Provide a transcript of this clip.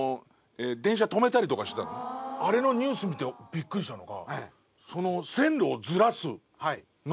あれのニュース見てびっくりしたのが。